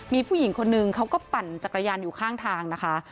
มีผู้หญิงคนนึงเขาก็ปั่นจักรยานอยู่ข้างทางนะคะ